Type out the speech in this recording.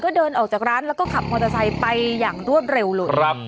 ก็เดินออกจากร้านแล้วก็ขับมอเตอร์ไซค์ไปอย่างรวดเร็วเลยครับ